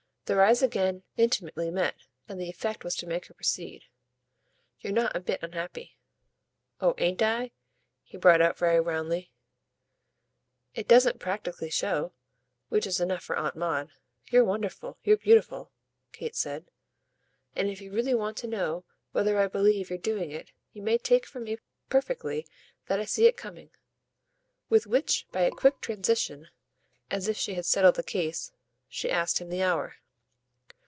Their eyes again intimately met, and the effect was to make her proceed. "You're not a bit unhappy." "Oh ain't I?" he brought out very roundly. "It doesn't practically show which is enough for Aunt Maud. You're wonderful, you're beautiful," Kate said; "and if you really want to know whether I believe you're doing it you may take from me perfectly that I see it coming." With which, by a quick transition, as if she had settled the case, she asked him the hour.